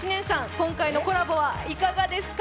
今回のコラボはいかがですか？